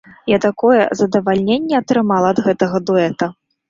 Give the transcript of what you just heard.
Я такое задавальненне атрымала ад гэтага дуэта!